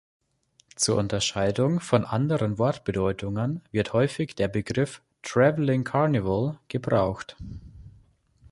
Zur Unterscheidung von anderen Wortbedeutungen wird häufig der Begriff "traveling carnival" gebraucht.